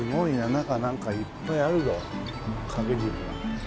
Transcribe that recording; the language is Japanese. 中なんかいっぱいあるよ掛け軸が。